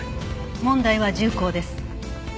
問題は銃口です。